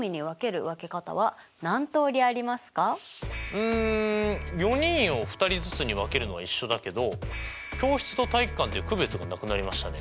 うん４人を２人ずつに分けるのは一緒だけど教室と体育館で区別がなくなりましたね。